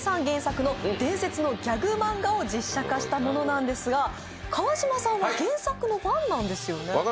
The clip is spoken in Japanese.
原作の伝説のギャグ漫画を実写化したものなんですが川島さんは原作のファンなんですよね